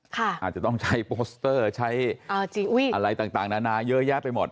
ค่ะอาจจะต้องใช้โปสเตอร์ใช้เอ่อจริงอุ้ยอะไรต่างต่างนานาเยอะแยะไปหมด